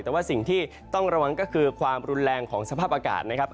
แต่ว่าสิ่งที่ต้องระวังก็คือความรุนแรงของสภาพอากาศนะครับ